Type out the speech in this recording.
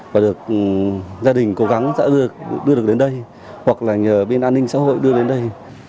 và được gia đình cố gắng đưa được đến đây hoặc là nhờ bên an ninh xã hội đưa đến đây